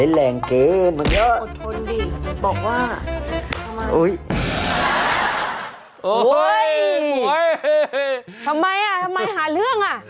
ทำไมอ่ะทำไมหาเรื่องอ่ะ